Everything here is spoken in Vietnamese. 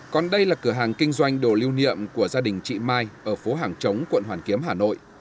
còn đây là cửa hàng kinh doanh đồ lưu niệm của gia đình chị mai ở phố hàng chống quận hoàn kiếm hà nội